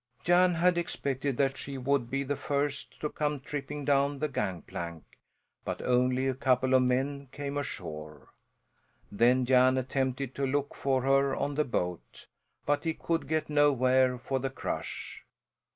Jan had expected that she would be the first to come tripping down the gangplank; but only a couple of men came ashore. Then Jan attempted to look for her on the boat; but he could get nowhere for the crush.